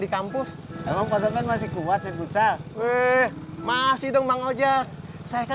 di kampus memang pasokan masih kuat menjual eh masih dong bang ojek saya